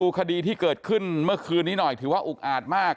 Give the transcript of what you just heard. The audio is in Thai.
คดีที่เกิดขึ้นเมื่อคืนนี้หน่อยถือว่าอุกอาจมาก